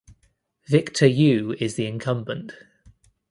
Victor Yu is the incumbent.